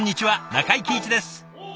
中井貴一です。